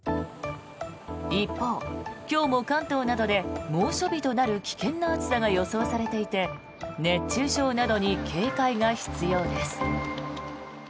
一方、今日も関東などで猛暑日となる危険な暑さが予想されていて熱中症などに警戒が必要です。